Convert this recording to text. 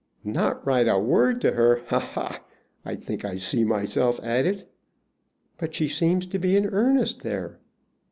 "Not write a word to her! Ha, ha! I think I see myself at it!" "But she seems to be in earnest there."